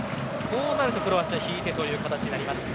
こうなるとクロアチア引いてという形になります。